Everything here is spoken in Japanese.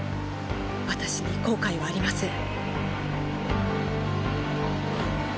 私に後悔はありません。